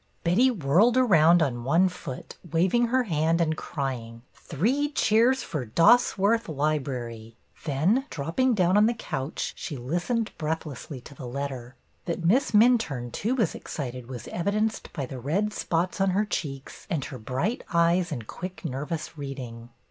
'' Betty whirled around on one foot, waving her hand, and crying, — Three Cheers for Dosworth Library !" Then dropping down on the couch, she listened breathlessly to the letter. That Miss Minturne too was excited was evidenced by the red spots on her cheeks and her bright eyes and quick, nervous reading.